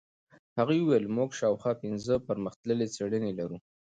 هغې وویل موږ شاوخوا پنځه پرمختللې څېړنې لرو.